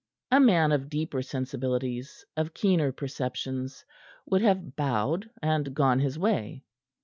A man of deeper sensibilities, of keener perceptions, would have bowed and gone his way.